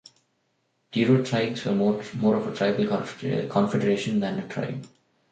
Durotriges were more a tribal confederation than a tribe.